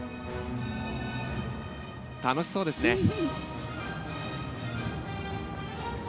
楽しそうですね。